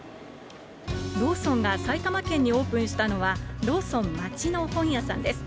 ローソンが埼玉県にオープンしたのは、ローソンマチの本屋さんです。